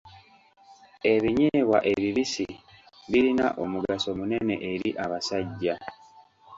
Ebinyeebwa ebibisi birina omugaso munene eri abasajja.